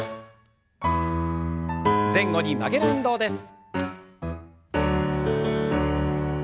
前後に曲げる運動です。